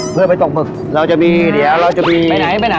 เพื่อไปตกหมึกแล้วจะมีไปไหน